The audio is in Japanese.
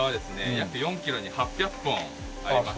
約４キロに８００本ありまして。